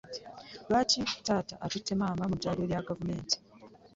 Lwaki taata atute maama mu ddwaliro lya gavumenti?